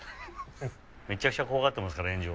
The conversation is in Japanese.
・めちゃくちゃ怖がっていますから炎上。